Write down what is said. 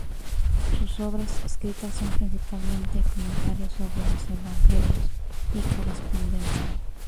Sus obras escritas son principalmente comentarios sobre los evangelios y correspondencia.